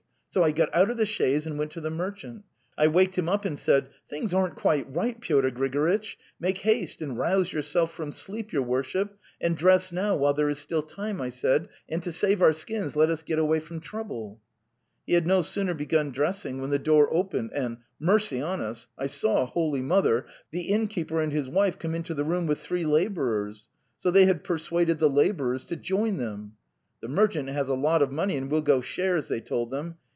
. So I got out of the chaise and went to the merchant. I waked him up and said: ' Things aren't quite right, Pyotr Grigoritch. ... Make haste and rouse yourself from sleep, your worship, and dress now while there is still time,' I said; ' and to save our skins, let us get away fromtrouble.' He had no sooner begun dressing when the door opened and, mercy on us! I saw, Holy Mother! the inn keeper and his wife come into the room with three labourers. ... So they had persuaded the labour ers to join them. 'The merchant has a lot of money, and we'll go shares,' they told them.